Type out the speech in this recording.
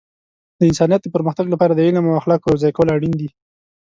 د انسانیت د پرمختګ لپاره د علم او اخلاقو یوځای کول اړین دي.